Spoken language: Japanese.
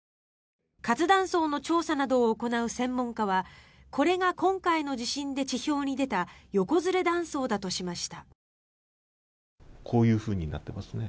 活断層の調査などを行う専門家はこれが今回の地震で地表に出た横ずれ断層だとしました。